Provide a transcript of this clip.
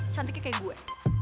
cantiknya kayak gue